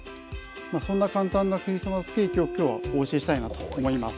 そんな簡単なクリスマスケーキを今日はお教えしたいなと思います。